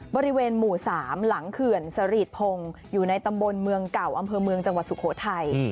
บริเวณหมู่๓หลังเขื่อนสรีทพงศ์อยู่ในตำบลเมืองเก่าอำเภอเมืองจังหวัดสุโขทัย